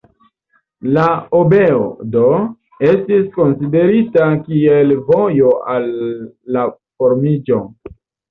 La obeo, do, estis konsiderita kiel vojo al la formiĝo.